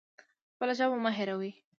خپله ژبه مه هیروئ